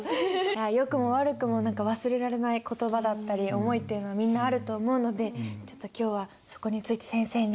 よくも悪くも忘れられない言葉だったり思いってのはみんなあると思うのでちょっと今日はそこについて先生に。